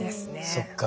そっか。